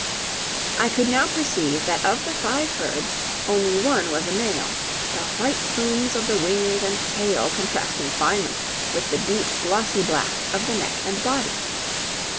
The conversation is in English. I could now perceive that of the five birds one only was a male, the white plumes of the wings and tail contrasting finely with the deep glossy black of the neck and body.